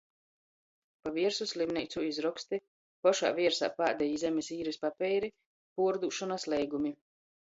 Pa viersu slimneicu izroksti, pošā viersā pādejī zemis īris papeiri, puordūšonys leigumi.